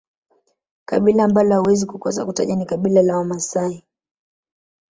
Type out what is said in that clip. kabila ambalo hauwezi kukosa kutaja ni kabila la Wamasai